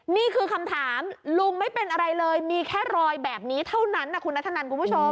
นี่คือคำถามลุงไม่เป็นอะไรเลยมีแค่รอยแบบนี้เท่านั้นนะคุณนัทธนันคุณผู้ชม